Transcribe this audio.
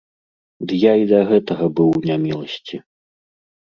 Ды я і да гэтага быў у няміласці.